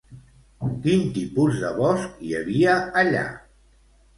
Quin tipus de bosc hi havia, allà?